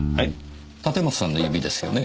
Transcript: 立松さんの指ですよね？